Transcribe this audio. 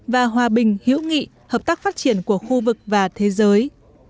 và hòa bình hữu nghị hợp tác phát triển của khu vực và thế giới